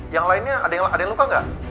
yang lainnya ada yang luka nggak